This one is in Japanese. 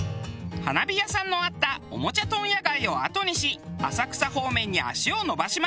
花火屋さんのあったおもちゃ問屋街を後にし浅草方面に足を延ばします。